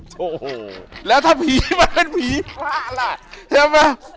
โถแล้วถ้าผีมันเป็นผีพระล่ะเห็นไหม